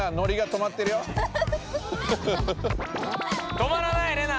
止まらないレナ！